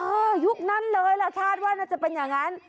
ยุคนั้นเลยล่ะคาดว่าน่าจะเป็นอย่างนั้น